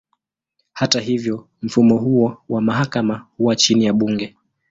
Hata hivyo, mfumo huo wa mahakama huwa chini ya bunge.